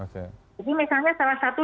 jadi misalnya salah satu